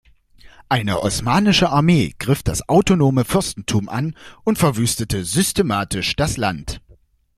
Eine osmanische Armee griff das autonome Fürstentum an und verwüstete systematisch das Land.